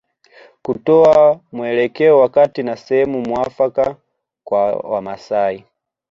Kutoa mwelekeo wakati na sehemu muafaka kwa Wamaasai